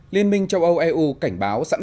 liên minh châu âu eu cảnh báo rằng